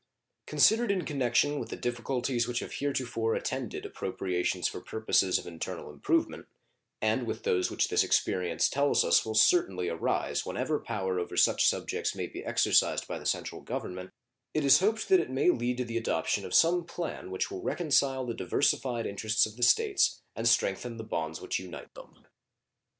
Considered in connection with the difficulties which have heretofore attended appropriations for purposes of internal improvement, and with those which this experience tells us will certainly arise when ever power over such subjects may be exercised by the Central Government, it is hoped that it may lead to the adoption of some plan which will reconcile the diversified interests of the States and strengthen the bonds which unite them.